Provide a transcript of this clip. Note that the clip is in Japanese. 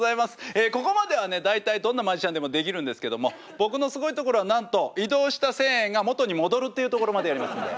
ええここまではね大体どんなマジシャンでもできるんですけども僕のすごいところはなんと移動した千円が元に戻るっていうところまでやりますんで。